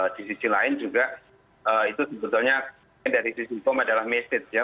di sisi lain juga itu sebetulnya dari sisi hukum adalah message ya